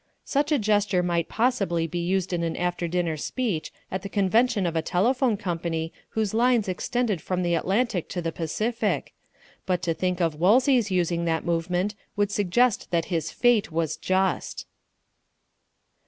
Such a gesture might possibly be used in an after dinner speech at the convention of a telephone company whose lines extended from the Atlantic to the Pacific, but to think of Wolsey's using that movement would suggest that his fate was just.